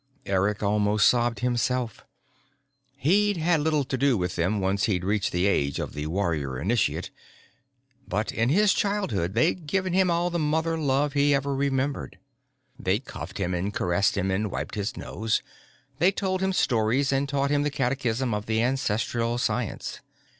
Eric almost sobbed himself. He'd had little to do with them once he'd reached the age of the warrior initiate, but in his childhood, they'd given him all the mother love he ever remembered. They'd cuffed him and caressed him and wiped his nose. They'd told him stories and taught him the catechism of the ancestral science.